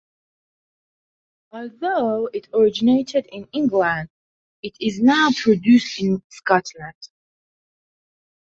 Although it originated in England, it is now produced in Scotland.